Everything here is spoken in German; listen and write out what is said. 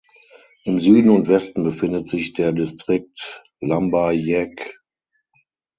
Im Süden und Westen befindet sich der Distrikt Lambayeque.